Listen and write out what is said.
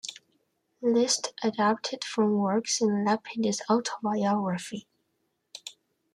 List adapted from Works in Lapidus autobiography.